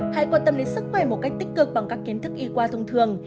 hãy quan tâm đến sức khỏe một cách tích cực bằng các kiến thức y qua thông thường